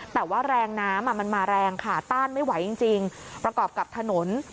แต่ว่าแรงน้ำมันมาแรงค่ะต้านไม่ไหวจริงประกอบกับถนน